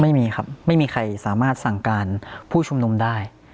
ไม่มีครับไม่มีใครสามารถสั่งการผู้ชุมนุมได้